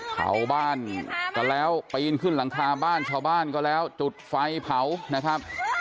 เผาบ้านก็แล้วปีนขึ้นหลังคาบ้านชาวบ้านก็แล้วจุดไฟเผานะครับ